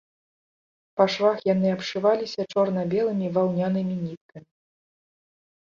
Па швах яны абшываліся чорна-белымі ваўнянымі ніткамі.